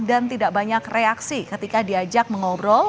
dan tidak banyak reaksi ketika diajak mengobrol